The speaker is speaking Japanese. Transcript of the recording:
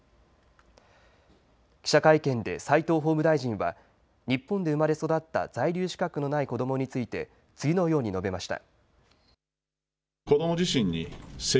記者会見で齋藤法務大臣は日本で生まれ育った在留資格のない子どもについて次のように述べました。